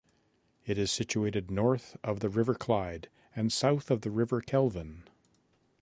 It is situated north of the River Clyde and south of the river Kelvin.